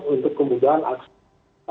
untuk kemudahan akses